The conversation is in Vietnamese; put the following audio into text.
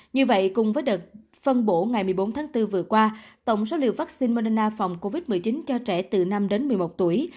như vậy cùng với đợt phân bổ ngày một mươi bốn tháng bốn vừa qua tổng số liều vaccine mona phòng covid một mươi chín cho trẻ từ năm đến một mươi một tuổi